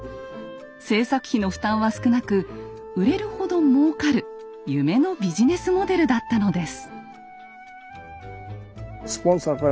制作費の負担は少なく売れるほど儲かる夢のビジネスモデルだったのです。